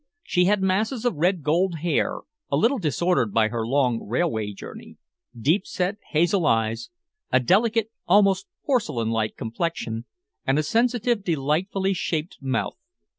She had masses of red gold hair, a little disordered by her long railway journey, deep set hazel eyes, a delicate, almost porcelain like complexion, and a sensitive, delightfully shaped mouth.